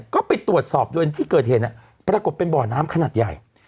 ก็ไปตรวจสอบโดยที่เกิดเหตุปรากฏเป็นบ่อน้ำขนาดใหญ่